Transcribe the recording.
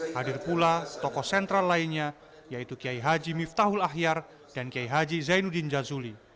hadir pula tokoh sentral lainnya yaitu kiai haji miftahul ahyar dan kiai haji zainuddin jazuli